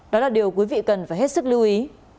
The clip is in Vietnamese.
đó là điều quý vị cần phải hết sức lưu ý